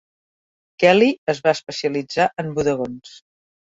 Kelly es va especialitzar en bodegons.